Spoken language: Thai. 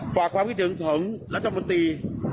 ฝากความคิดถึงของรัฐมนตรี